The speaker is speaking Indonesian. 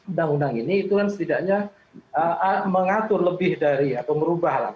undang undang ini itu kan setidaknya mengatur lebih dari atau merubah lah